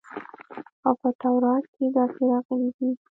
او په تورات کښې داسې راغلي دي.